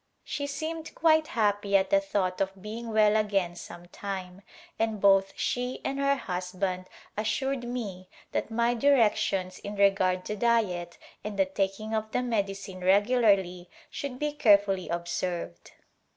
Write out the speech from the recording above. She seemed quite happy at the thought of being well again some time, and both she and her husband assured me that my directions in re gard to diet and the taking of the medicine regularly should be carefully observed.